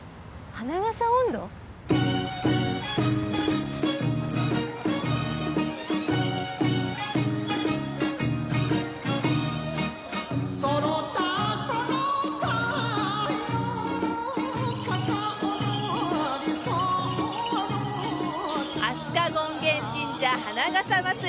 『花笠音頭』飛鳥権現神社花笠祭り。